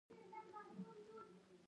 هغه په ښکار ور ټوپ کړ خو خطا شو.